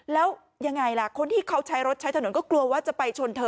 แล้วยังไงล่ะคนที่เขาใช้รถใช้ถนนก็กลัวว่าจะไปชนเธอ